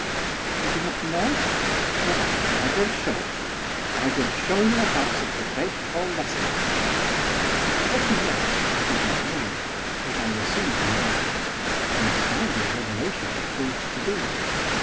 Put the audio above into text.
'You do not know it? Well! I will show it you, I will show the house of the great Paul Lessingham.' What he meant I did not know; but I was soon to learn, an astounding revelation it proved to be.